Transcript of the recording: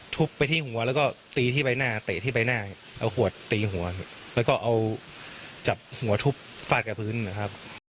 ไปที่หัวแล้วก็ตีที่ใบหน้าเตะที่ใบหน้าเอาขวดตีหัวแล้วก็เอาจับหัวทุบฟาดกับพื้นนะครับ